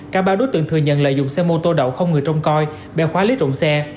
cả ba đối tượng thừa nhận lợi dụng xe mô tô đậu không người trông coi beo khóa lít rộn xe